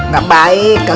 gak baik kan